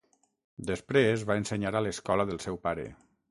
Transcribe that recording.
Després va ensenyar a l'escola del seu pare.